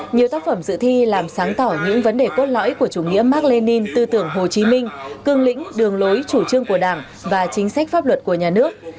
nhiều tác phẩm dự thi làm sáng tỏ những vấn đề cốt lõi của chủ nghĩa mark lenin tư tưởng hồ chí minh cương lĩnh đường lối chủ trương của đảng và chính sách pháp luật của nhà nước